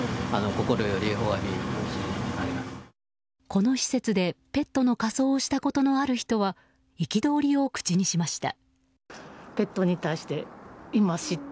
この施設で、ペットの火葬をしたことのある人は憤りを口にしました。